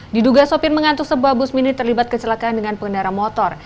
diduga sopir mengantuk sebuah bus mini terlibat kecelakaan dengan pengendara motor